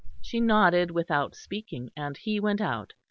She nodded without speaking, and he went out.